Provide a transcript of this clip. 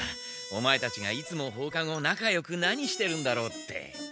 オマエたちがいつも放課後なかよく何してるんだろうって。